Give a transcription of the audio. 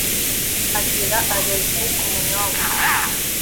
Agira Allergic ku bunyobwa